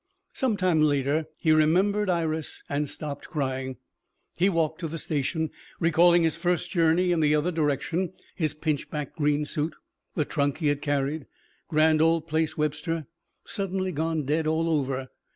Some time later he remembered Iris and stopped crying. He walked to the station, recalling his first journey in the other direction, his pinch backed green suit, the trunk he had carried. Grand old place, Webster. Suddenly gone dead all over.